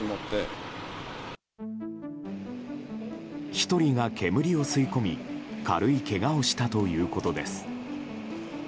１人が煙を吸い込み軽いけがをしたということです。